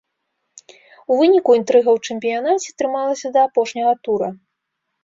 У выніку інтрыга ў чэмпіянаце трымалася да апошняга тура.